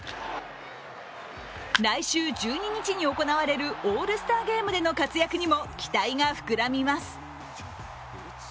来週１２日に行われるオールスターゲームでの活躍にも期待が膨らみます。